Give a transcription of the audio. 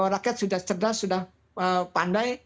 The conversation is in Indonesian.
rakyat sudah cerdas sudah pandai